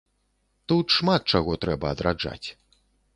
Тут шмат чаго трэба адраджаць.